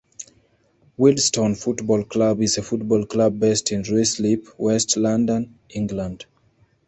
Wealdstone Football Club is a football club based in Ruislip, west London, England.